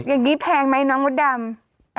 อย่างนี้แพงไหมน้องมดดำ